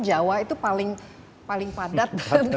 jawa itu paling padat